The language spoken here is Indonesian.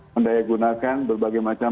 mendayakunakan berbagai macam